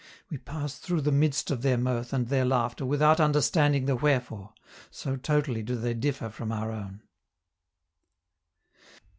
We pass through the midst of their mirth and their laughter without understanding the wherefore, so totally do they differ from our own.